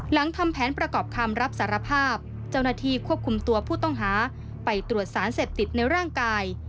หลังทำแผนประกอบคำรับสารภาพเจ้าหน้าที่ควบคุมตัวผู้ต้องหาไปตรวจสารเสพติดในร่างกาย